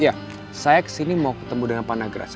iya saya kesini mau ketemu dengan panagraj